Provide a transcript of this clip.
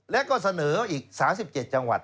และก็เสนออีก๓๗จังหวัด